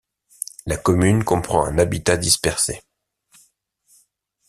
La commune comprend un habitat dispersé.